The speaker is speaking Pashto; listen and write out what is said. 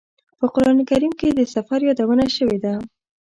په قران کریم کې د سفر یادونه شوې ده.